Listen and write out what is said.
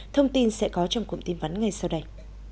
thông tin sẽ có trong cuộn tin vấn ngay sau đây